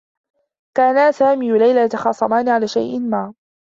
كانا سامي و ليلى يتخاصمان على شيء ما.